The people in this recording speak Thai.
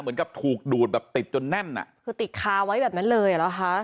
เหมือนกับถูกดูดแบบติดจนแน่นอ่ะคือติดคาไว้แบบนั้นเลยอ่ะเหรอคะ